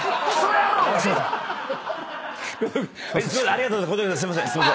ありがとうございます。